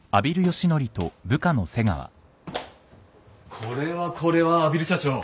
これはこれは阿比留社長。